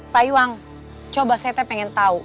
pak iwang coba saya pengen tahu